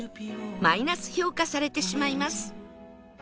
マイナス評価されてしまいます